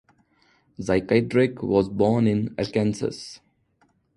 Zeichiedrich was born in Arkansas.